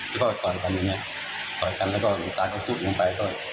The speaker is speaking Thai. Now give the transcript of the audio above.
แล้วก็ต่อยกันอย่างเนี้ยต่อยกันแล้วก็ลูกตาเขาสู้ลูกมันไป